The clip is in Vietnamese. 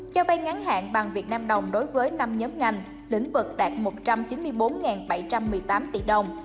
cho vay ngắn hạn bằng việt nam đồng đối với năm nhóm ngành lĩnh vực đạt một trăm chín mươi bốn bảy trăm một mươi tám tỷ đồng